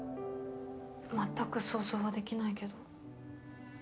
全く想像はできないけど。